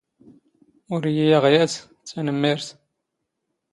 ⵓⵔ ⵉⵢⵉ ⵢⴰⵖ ⵢⴰⵜ, ⵜⴰⵏⵎⵎⵉⵔⵜ.